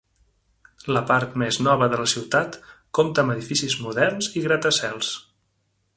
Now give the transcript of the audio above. La part més nova de la ciutat compta amb edificis moderns i gratacels.